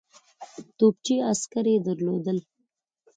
توپچي عسکر یې درلودل.